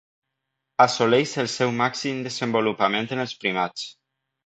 Assoleix el seu màxim desenvolupament en els primats.